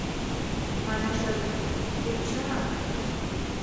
Манеш эрге: «Вет чынак?